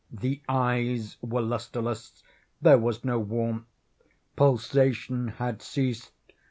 The eyes were lustreless. There was no warmth. Pulsation had ceased.